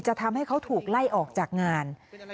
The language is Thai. ทำให้เขาถูกไล่ออกจากงาน